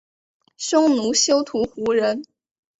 匈奴休屠胡人。